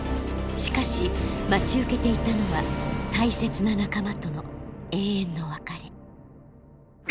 しかし待ち受けていたのは大切な仲間との永遠の別れ。